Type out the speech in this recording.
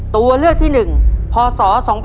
ตัวเลือกที่หนึ่งพศ๒๕๔๖